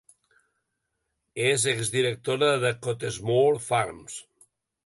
És exdirectora de Cottesmore Farms.